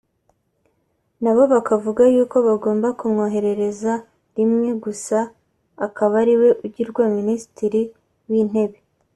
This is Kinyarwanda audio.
nabo bakavuga yuko bagomba kumwoherereza rimwe gusa akaba ariwe ugirwa Minisitiri w’intebe